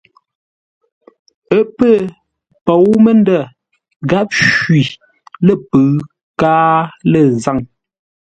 Ə́ pə̂ pôu məndə̂, gháp shwi lə̂ pʉ̌ʉ káa lə̂ zâŋ.